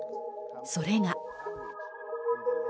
それが。